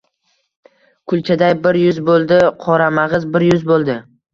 kulchaday bir yuz bo‘ldi, qoramag‘iz bir yuz bo‘ldi.